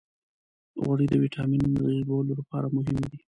غوړې د ویټامینونو د جذبولو لپاره مهمې دي.